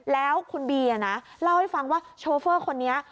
แล้วคุณบีนะเล่าให้ฟังว่าโชเฟอร์คนนี้